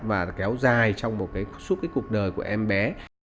và kéo dài trong suốt cuộc đời của em bé